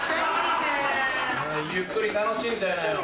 ゆっくり楽しんでなよ。